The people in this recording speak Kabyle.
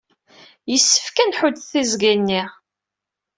Yessefk ad nḥudd tiẓgi-nni.